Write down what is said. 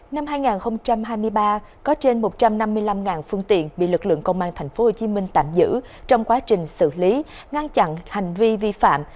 năm hai nghìn hai mươi ba có trên một trăm năm mươi năm phương tiện bị lực lượng công an tp hcm tạm giữ trong quá trình xử lý ngăn chặn hành vi vi phạm